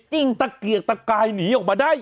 ตะเกียกตะกายหนีออกมาได้